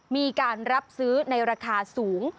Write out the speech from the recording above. มีการรับซื้อในราคาสูง